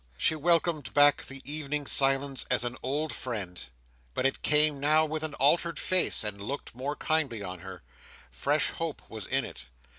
She welcomed back the evening silence as an old friend, but it came now with an altered face, and looked more kindly on her. Fresh hope was in it.